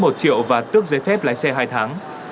một triệu và tước giấy phép lái xe hai tháng